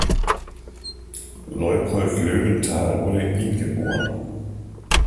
Leupold-Löwenthal wurde in Wien geboren.